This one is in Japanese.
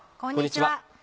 こんにちは。